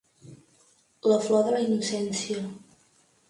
La flor de la innocència.